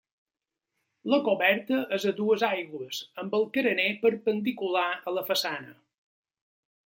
La coberta és a dues aigües amb el carener perpendicular a la façana.